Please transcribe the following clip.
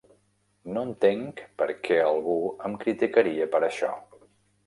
No entenc per què algú em criticaria per això.